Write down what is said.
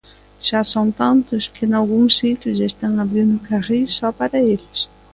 Xa son tantos, que nalgúns sitios están abrindo carrís só para eles.